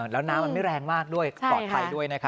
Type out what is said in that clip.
แล้วน้ำมันไม่แรงมากด้วยปลอดภัยด้วยนะคะ